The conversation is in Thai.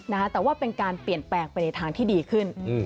แต่ว่าเป็นการเปลี่ยนแปลงไปในทางที่ดีขึ้น